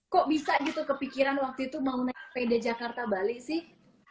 kok bisa gitu kepikiran waktu itu mau naik sepeda jakarta bali sih